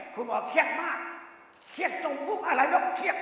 คุณหมอกเคียกมากเคียกตรงมุกอะไรแล้วเคียก